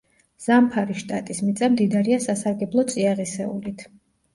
ზამფარის შტატის მიწა მდიდარია სასარგებლო წიაღისეულით.